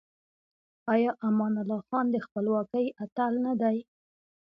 آیا امان الله خان د خپلواکۍ اتل نه دی؟